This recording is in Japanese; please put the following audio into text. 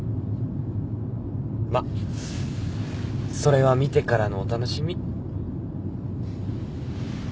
まあそれは見てからのお楽しみ。